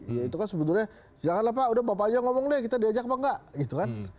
ya itu kan sebenarnya janganlah pak udah bapak aja yang ngomong deh kita diajak apa nggak gitu kan